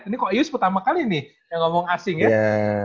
ini kok yus pertama kali nih yang ngomong asing ya